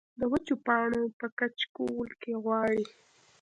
د وچو پاڼو پۀ کچکول کې غواړي